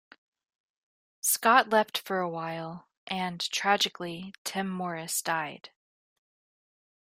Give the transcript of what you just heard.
Scott left for a while, and, tragically, Tim Morris died.